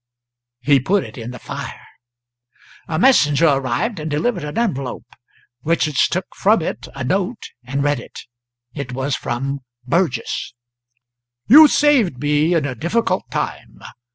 He put it in the fire. A messenger arrived and delivered an envelope. Richards took from it a note and read it; it was from Burgess: "You saved me, in a difficult time.